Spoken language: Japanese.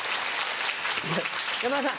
山田さん